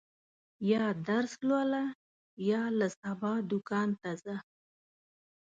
یا درس لوله، یا له سبا دوکان ته ځه.